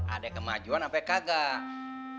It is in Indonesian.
ada kemajuan apa kagak